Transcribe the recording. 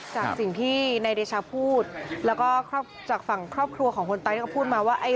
จากสิ่งที่นายเดชาพูดแล้วก็จากฝั่งครอบครัวของคนตายก็พูดมาว่า